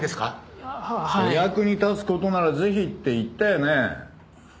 「お役に立つ事ならぜひ」って言ったよね？